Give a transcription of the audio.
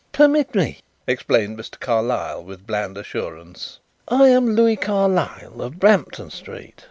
"Permit me," explained Mr. Carlyle, with bland assurance. "I am Louis Carlyle, of Bampton Street.